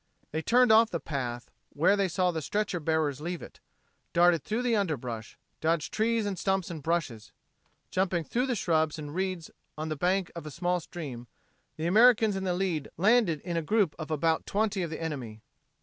They turned off the path where they saw the stretcher bearers leave it, darted through the underbrush, dodged trees and stumps and brushes. Jumping through the shrubs and reeds on the bank of a small stream, the Americans in the lead landed in a group of about twenty of the enemy.